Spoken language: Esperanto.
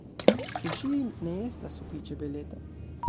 Ĉu ŝi ne estas sufiĉe beleta?